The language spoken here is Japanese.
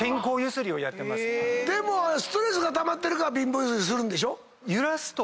でもストレスがたまってるから貧乏ゆすりするんでしょ？